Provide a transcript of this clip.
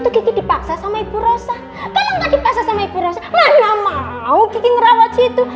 tuh dipaksa sama ibu rossa kalau dipaksa sama ibu rossa mana mau kiting rawat situ